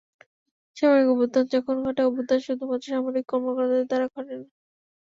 সামরিক অভ্যুত্থান যখন ঘটে, অভ্যুত্থান শুধুমাত্র সামরিক কর্মকর্তাদের দ্বারা ঘটে না।